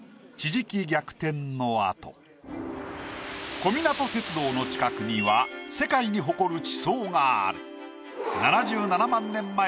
小湊鉄道の近くには世界に誇る地層がある。